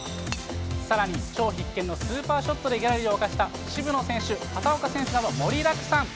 さらに超必見のスーパーショットでギャラリーを沸かせた渋野選手、畑岡選手など盛りだくさん。